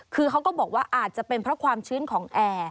คือเขาก็บอกว่าอาจจะเป็นเพราะความชื้นของแอร์